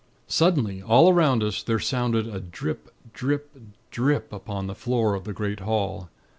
"Suddenly, all around us, there sounded a drip, drip, drip, upon the floor of the great hall.